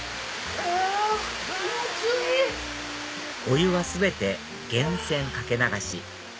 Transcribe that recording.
お湯は全て源泉かけ流し